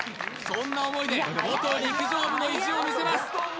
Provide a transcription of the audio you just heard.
そんな思いで元陸上部の意地を見せます